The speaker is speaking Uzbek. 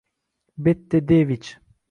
Bette Devich